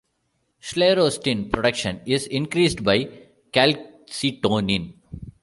Sclerostin production is increased by calcitonin.